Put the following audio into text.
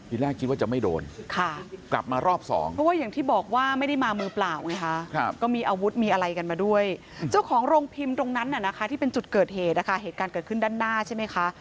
แรกคิดว่าจะไม่โดนค่ะกลับมารอบสองเพราะว่าอย่างที่บอกว่าไม่ได้มามือเปล่าไงคะก็มีอาวุธมีอะไรกันมาด้วยเจ้าของโรงพิมพ์ตรงนั้นน่ะนะคะที่เป็นจุดเกิดเหตุนะคะเหตุการณ์เกิดขึ้นด้านหน้าใช่ไหมคะ